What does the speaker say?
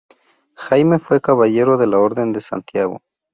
Jaime fue Caballero de la Orden de Santiago.